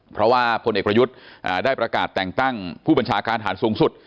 เพราะว่าพลเอกพรพัฒน์เบญยศรีได้ประกาศแต่งตั้งผู้บัญชาการทหารสูงสุด